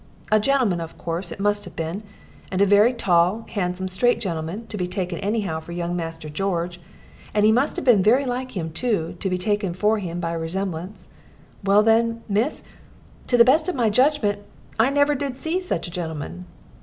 A gentleman, of course, it must have been and a very tall, handsome, straight gentleman, to be taken anyhow for young Master George. And he must have been very like him, too, to be taken for him by resemblance. Well then, miss, to the best of my judgment, I never did see such a gentleman."